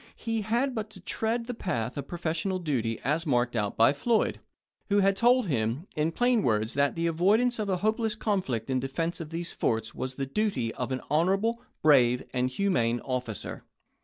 He had but to tread the path of professional duty as marked out by Floyd, who had told him in plain words that the avoidance of a hopeless conflict in defense of these forts was the duty of an honorable, brave, and humane officer.